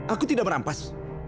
aku tidak merampas